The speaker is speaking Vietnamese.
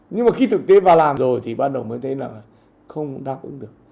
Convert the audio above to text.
nhưng mà khi thực tế vào làm rồi thì ban đầu mới thấy là không đáp ứng được